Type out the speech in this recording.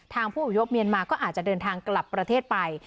ผู้อพยพเมียนมาก็อาจจะเดินทางกลับประเทศไป